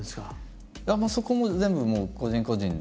そこも全部もう個人個人で。